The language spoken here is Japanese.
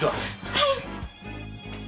はい！